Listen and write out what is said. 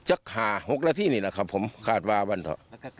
จักฐา๖นาทีนี้ละครับผมขาดบาลบานเถอะ